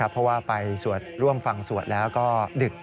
เพราะว่าไปสวดร่วมฟังสวดแล้วก็ดึก